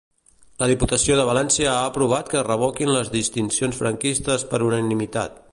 La Diputació de València ha aprovat que es revoquin les distincions franquistes per unanimitat.